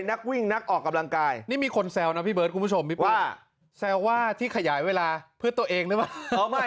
นักวิ่งนักออกกำลังกายนี่มีคนแซวนะพี่เบิร์ดคุณผู้ชมพี่ป้าแซวว่าที่ขยายเวลาเพื่อตัวเองหรือเปล่า